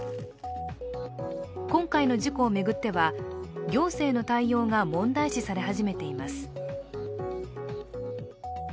今回の事故を巡っては行政の対応が問題視され始めています。